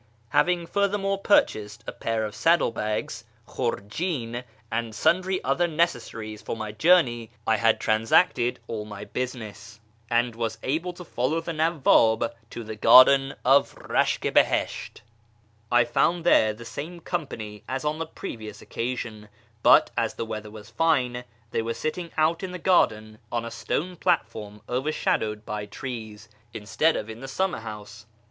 Having furthermore purchased a pair of saddle bags {klmrjin) and sundry other necessaries for my journey, I had transacted all my business, and was able to follow the Nawwab to the garden of Bashk i Bihisht. I found there the same company as on the previous occasion, but, as the weather was fine, they were sitting out in the garden on a stone platform overshadowed by trees, instead of in the summerhouse.